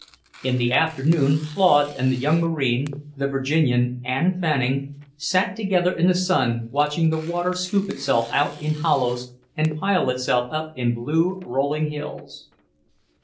In the afternoon Claude and the young Marine, the Virginian and Fanning, sat together in the sun watching the water scoop itself out in hollows and pile itself up in blue, rolling hills.